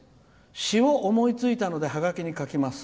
詩を思いついたのでハガキで書きます。